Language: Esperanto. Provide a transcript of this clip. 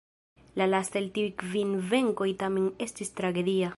La lasta el tiuj kvin venkoj tamen estis tragedia.